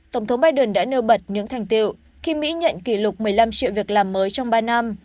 tổng thống biden đã nêu bật những thành tiệu khi mỹ nhận kỷ lục một mươi năm triệu việc làm mới trong ba năm